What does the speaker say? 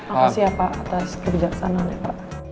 apa sih apa atas kebijaksanaan ya pak